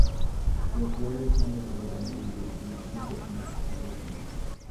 Las flores son de color amarillo y el fruto no es jugoso.